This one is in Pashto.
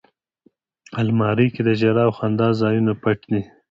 الماري کې د ژړا او خندا ځایونه پټ دي